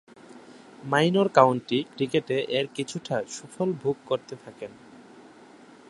Minor county ক্রিকেটে এর কিছুটা সুফল ভোগ করতে থাকেন।